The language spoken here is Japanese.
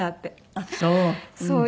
ああそう。